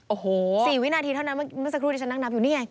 โอ้โหสี่วินาทีเท่านั้นเมื่อสักครู่ตรงนั้น๊ะฉันนักนับอยู่นี่นี่ไง